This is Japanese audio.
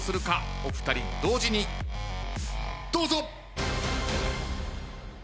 お二人同時にどうぞ！